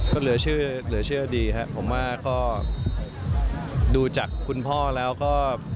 ก็เหลือเชื่อดีครับผมว่าก็ดูจากคุณพ่อแล้วก็